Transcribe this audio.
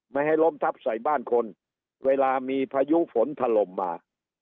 ไม่ให้ล้มทับใส่บ้านคนเวลามีพายุฝนถล่มมา